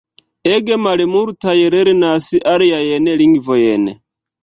Ege malmultaj lernas aliajn lingvojn.